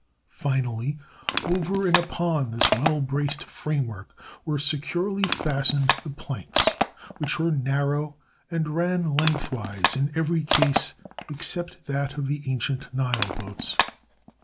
Finally, over and upon this well braced framework were securely fastened the planks, which were narrow and ran lengthwise in every case except that of the ancient Nile boats.